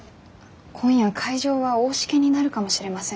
今夜海上は大時化になるかもしれません。